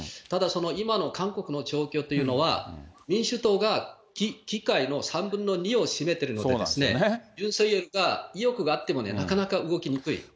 ただ、今の韓国の状況というのは、民主党が議会の３分の２を占めてるので、ユン・ソギョルが意欲があってもなかなか動きにくい。